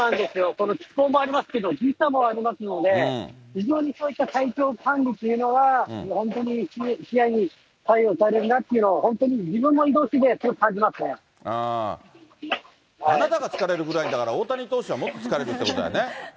この気候もありますけど、時差もありますんで、非常にそういった体調管理というのは、本当に左右されるなというのは、本当に自分も移動してて、すごくあなたが疲れるぐらいだから、大谷投手はもっと疲れてるってことだよね？